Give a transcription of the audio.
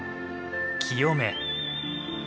清め